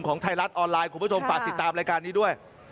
ไทยรัฐออนไลน์คุณผู้ชมฝากติดตามรายการนี้ด้วย